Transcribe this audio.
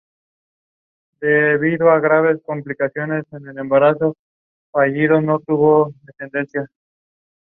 Representatives of the manufacturer traveled to Taiwan to participate in the incident investigation.